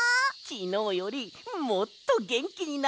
きのうよりもっとげんきになってるぞ。